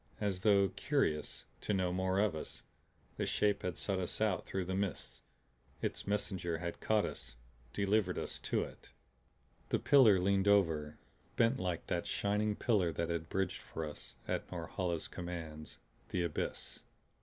As though curious to know more of us, the Shape had sought us out through the mists, its messenger had caught us, delivered us to it. The pillar leaned over bent like that shining pillar that had bridged for us, at Norhala's commands, the abyss.